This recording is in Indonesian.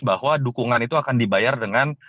bahwa dukungan itu akan dibayar dengan